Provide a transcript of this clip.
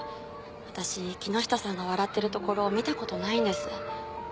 私木下さんが笑ってるところ見たことないんです。